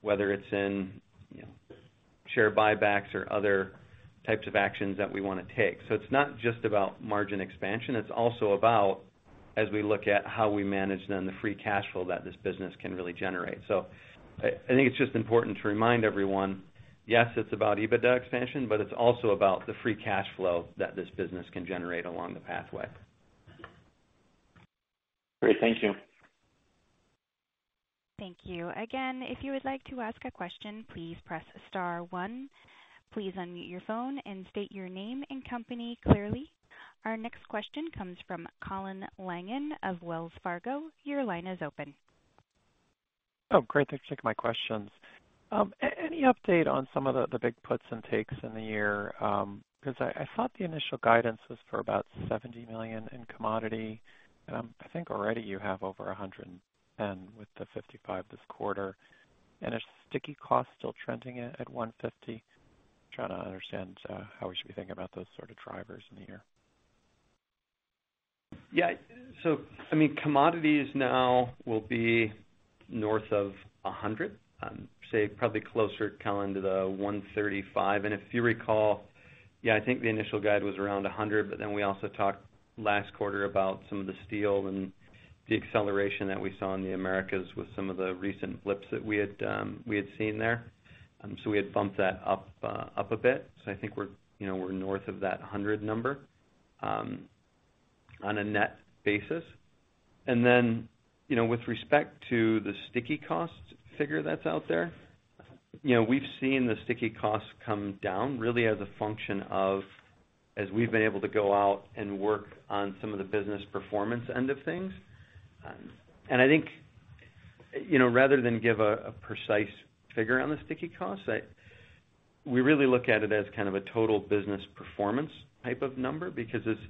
whether it's in, you know, share buybacks or other types of actions that we wanna take. It's not just about margin expansion, it's also about as we look at how we manage then the free cash flow that this business can really generate. I, I think it's just important to remind everyone, yes, it's about EBITDA expansion, but it's also about the free cash flow that this business can generate along the pathway. Great. Thank you. Thank you. Again, if you would like to ask a question, please press Star One. Please unmute your phone and state your name and company clearly. Our next question comes from Colin Langan of Wells Fargo. Your line is open. Oh, great. Thanks for taking my questions. Any update on some of the, the big puts and takes in the year? Cause I, I thought the initial guidance was for about $70 million in commodity, and, I think already you have over $110 with the $55 this quarter. Are sticky costs still trending at, at $150? Trying to understand how we should be thinking about those sort of drivers in the year. Yeah. I mean, commodities now will be north of $100, say probably closer, Colin, to $135. If you recall, yeah, I think the initial guide was around $100, but then we also talked last quarter about some of the steel and the acceleration that we saw in the Americas with some of the recent flips that we had, we had seen there. We had bumped that up, up a bit. I think we're, you know, we're north of that $100 number on a net basis. Then, you know, with respect to the sticky costs figure that's out there. You know, we've seen the sticky costs come down really as a function of, as we've been able to go out and work on some of the business performance end of things. I think, you know, rather than give a precise figure on the sticky costs, we really look at it as kind of a total business performance type of number, because as, you know,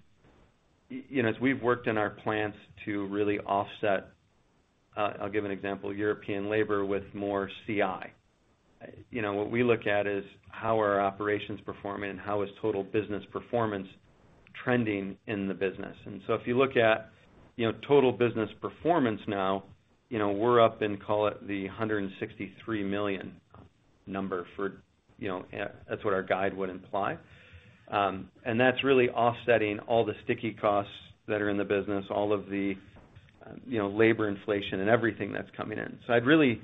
as we've worked in our plants to really offset, I'll give an example, European labor with more CI. You know, what we look at is how are operations performing and how is total business performance trending in the business? If you look at, you know, total business performance now, you know, we're up in, call it, the $163 million number for, you know, that's what our guide would imply. That's really offsetting all the sticky costs that are in the business, all of the, you know, labor inflation and everything that's coming in. I'd really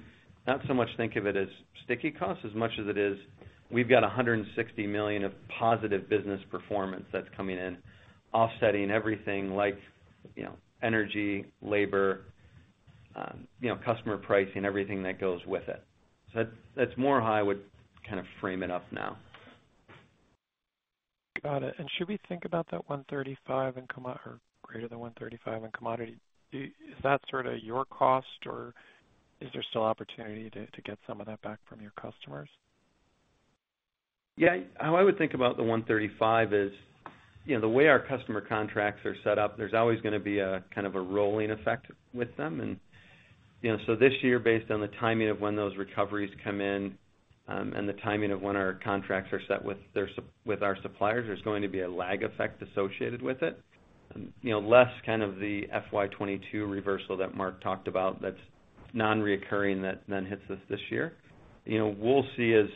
not so much think of it as sticky costs as much as it is. We've got $160 million of positive business performance that's coming in, offsetting everything like, you know, energy, labor, you know, customer pricing, everything that goes with it. That's, that's more how I would kind of frame it up now. Got it. Should we think about that $135 in commodity or greater than $135 in commodity? Is that sort of your cost, or is there still opportunity to, to get some of that back from your customers? Yeah, how I would think about the 135 is, you know, the way our customer contracts are set up, there's always gonna be a kind of a rolling effect with them. You know, so this year, based on the timing of when those recoveries come in, and the timing of when our contracts are set with their with our suppliers, there's going to be a lag effect associated with it. You know, less kind of the FY 2022 reversal that Mark talked about, that's non-recurring that then hits us this year. You know, we'll see as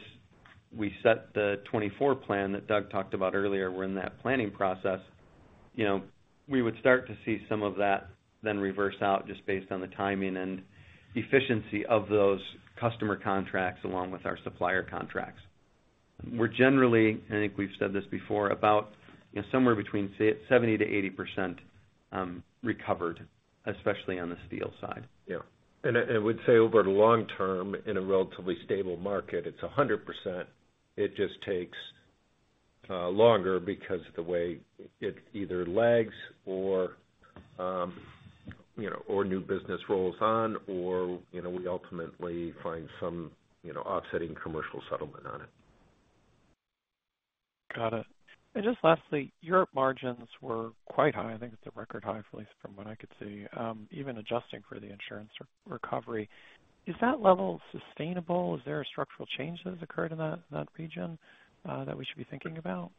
we set the 2024 plan that Doug talked about earlier, we're in that planning process, you know, we would start to see some of that then reverse out just based on the timing and efficiency of those customer contracts, along with our supplier contracts. We're generally, I think we've said this before, about, you know, somewhere between 70%-80% recovered, especially on the steel side. Yeah. I, I would say over the long term, in a relatively stable market, it's 100%. It just takes longer because of the way it either lags or, you know, or new business rolls on, or, you know, we ultimately find some, you know, offsetting commercial settlement on it. Got it. Just lastly, Europe margins were quite high. I think it's a record high, at least from what I could see, even adjusting for the insurance recovery. Is that level sustainable? Is there a structural change that has occurred in that region that we should be thinking about?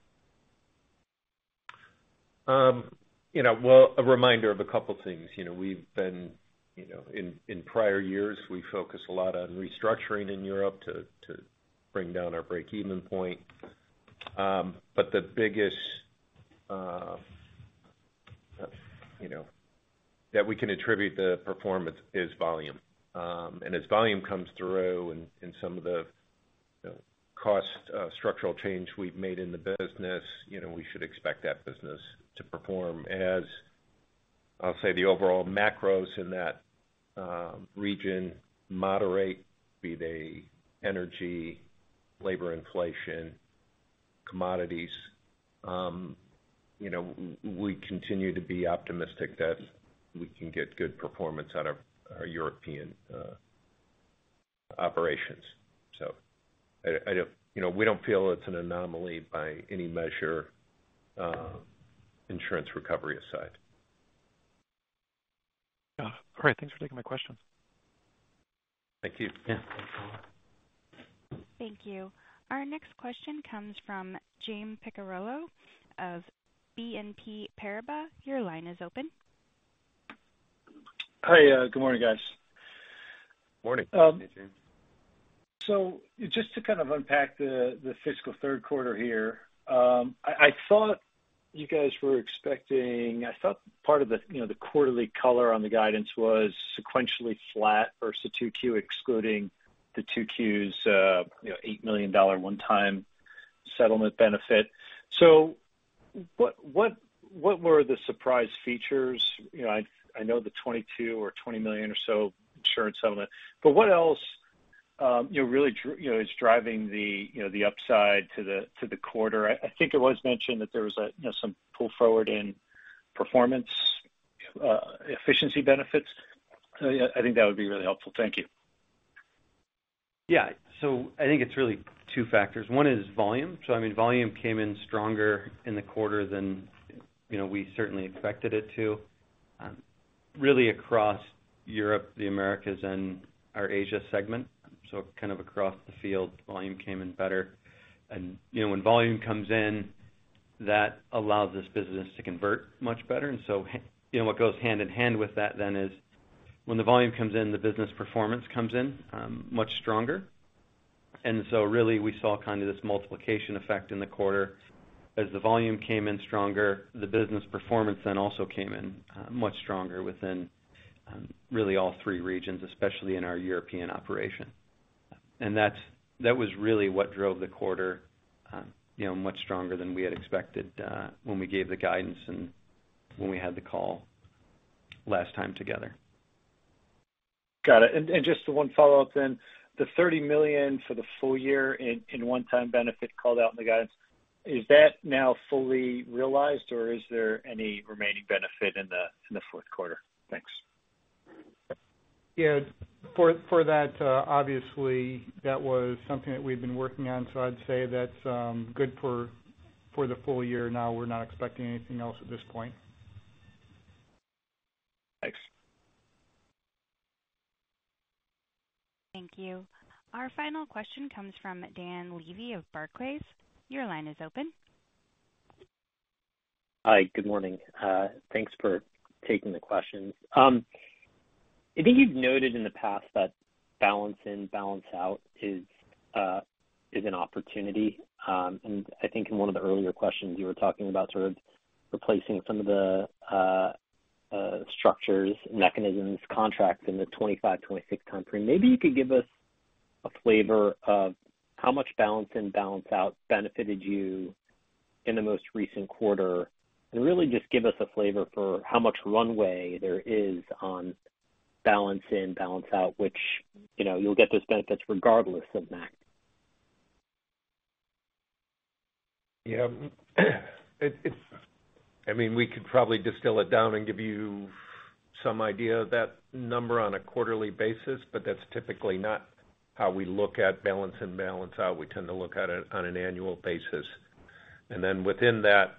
You know, well, a reminder of a couple things. You know, we've been, you know, in, in prior years, we focused a lot on restructuring in Europe to, to bring down our break-even point. The biggest, you know, that we can attribute the performance is volume. As volume comes through in, in some of the, you know, cost, structural change we've made in the business, you know, we should expect that business to perform. As I'll say, the overall macros in that region moderate, be they energy, labor inflation, commodities, you know, we continue to be optimistic that we can get good performance out of our European operations. I, I don't. You know, we don't feel it's an anomaly by any measure, insurance recovery aside. Yeah. All right. Thanks for taking my questions. Thank you. Yeah. Thanks a lot. Thank you. Our next question comes from James Picariello of BNP Paribas. Your line is open. Hi, good morning, guys. Morning. Hey, James. Just to kind of unpack the fiscal third quarter here, I, I thought you guys were expecting, I thought part of the, you know, the quarterly color on the guidance was sequentially flat versus 2Q, excluding the 2Q's, you know, $8 million one-time settlement benefit. What, what, what were the surprise features? You know, I, I know the $22 million or $20 million or so insurance settlement, but what else, you know, really is driving the, you know, the upside to the, to the quarter? I, I think it was mentioned that there was a, you know, some pull forward in performance, efficiency benefits. I think that would be really helpful. Thank you. Yeah. I think it's really two factors. One is volume. I mean, volume came in stronger in the quarter than, you know, we certainly expected it to, really across Europe, the Americas, and our Asia segment, so kind of across the field, volume came in better. You know, when volume comes in, that allows this business to convert much better. You know, what goes hand in hand with that then is, when the volume comes in, the business performance comes in, much stronger. Really, we saw kind of this multiplication effect in the quarter. As the volume came in stronger, the business performance then also came in, much stronger within, really all three regions, especially in our European operation. That was really what drove the quarter, you know, much stronger than we had expected, when we gave the guidance and when we had the call. last time together. Got it. Just the one follow-up then. The $30 million for the full year in one-time benefit called out in the guidance, is that now fully realized, or is there any remaining benefit in the fourth quarter? Thanks. Yeah, for, for that, obviously, that was something that we've been working on, so I'd say that's good for, for the full year now. We're not expecting anything else at this point. Thanks. Thank you. Our final question comes from Dan Levy of Barclays. Your line is open. Hi, good morning. Thanks for taking the questions. I think you've noted in the past that balance in, balance out is an opportunity. I think in one of the earlier questions, you were talking about sort of replacing some of the structures, mechanisms, contracts in the 2025, 2026 time frame. Maybe you could give us a flavor of how much balance in, balance out benefited you in the most recent quarter, and really just give us a flavor for how much runway there is on balance in, balance out, which, you know, you'll get those benefits regardless of macro Yeah. It's I mean, we could probably distill it down and give you some idea of that number on a quarterly basis, but that's typically not how we look at balance and balance out. We tend to look at it on an annual basis. Then within that,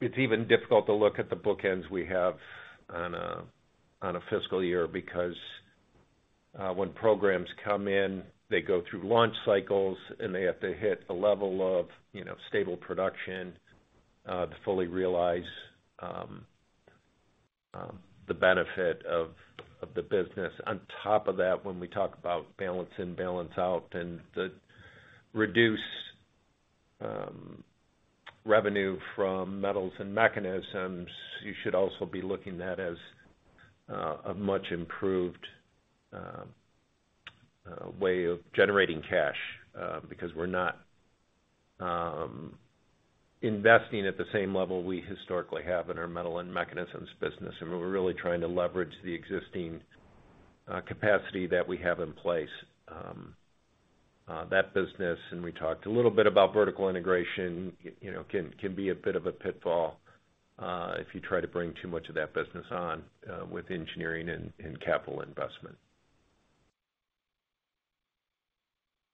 it's even difficult to look at the bookends we have on a, on a fiscal year, because when programs come in, they go through launch cycles, and they have to hit a level of, you know, stable production to fully realize the benefit of the business. On top of that, when we talk about balance in, balance out, and the reduced revenue from metals and mechanisms, you should also be looking at as a much improved way of generating cash, because we're not investing at the same level we historically have in our metal and mechanisms business, and we're really trying to leverage the existing capacity that we have in place. That business, and we talked a little bit about vertical integration, you know, can, can be a bit of a pitfall, if you try to bring too much of that business on, with engineering and capital investment.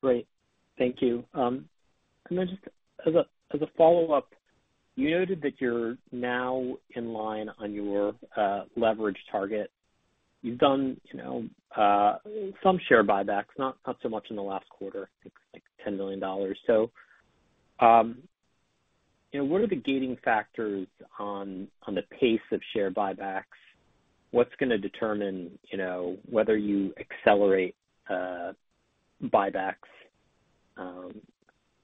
Great. Thank you. Then just as a, as a follow-up, you noted that you're now in line on your leverage target. You've done, you know, some share buybacks, not, not so much in the last quarter, I think, like $10 million. You know, what are the gating factors on, on the pace of share buybacks? What's gonna determine, you know, whether you accelerate buybacks?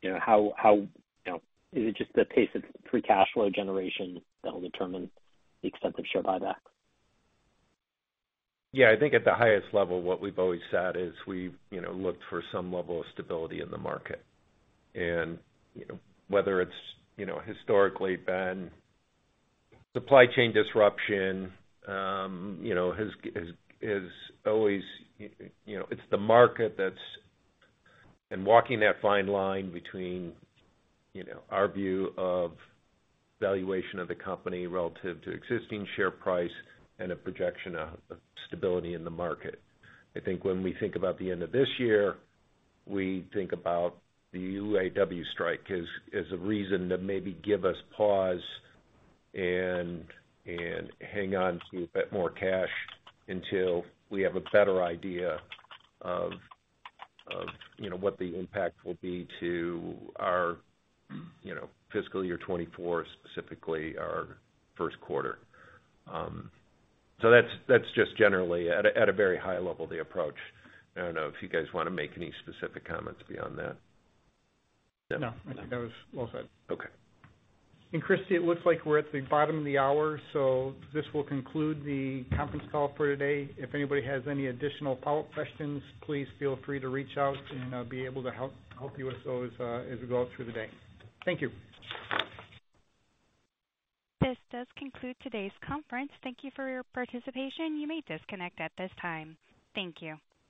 You know, is it just the pace of free cash flow generation that will determine the extent of share buyback? Yeah, I think at the highest level, what we've always said is we've, you know, looked for some level of stability in the market. Whether it's, you know, historically been supply chain disruption, you know, has, is, is always, you know. It's the market that's. Walking that fine line between, you know, our view of valuation of the company relative to existing share price and a projection of, of stability in the market. I think when we think about the end of this year, we think about the UAW strike as, as a reason to maybe give us pause and, and hang on to a bit more cash until we have a better idea of, of, you know, what the impact will be to our, you know, fiscal year 24, specifically our first quarter. That's just generally at a very high level, the approach. I don't know if you guys wanna make any specific comments beyond that. I think that was well said. Okay. Christy, it looks like we're at the bottom of the hour, so this will conclude the conference call for today. If anybody has any additional follow-up questions, please feel free to reach out, and I'll be able to help you with those as we go through the day. Thank you. This does conclude today's conference. Thank you for your participation. You may disconnect at this time. Thank you.